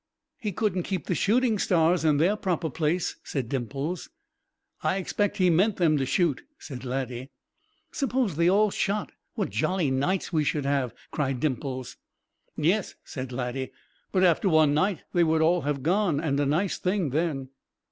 "He couldn't keep the shooting stars in their proper place," said Dimples. "I expect He meant them to shoot," said Laddie. "Suppose they all shot, what jolly nights we should have!" cried Dimples. "Yes," said Laddie; "but after one night they would all have gone, and a nice thing then!"